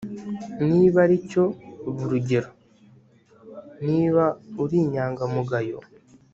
niba aricyo ba urugero niba uri inyangamugayo